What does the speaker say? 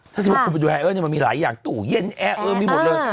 ถ้าสมมุติคุณไปดูแอร์มันมีหลายอย่างตู้เย็นแอร์เออมีหมดเลย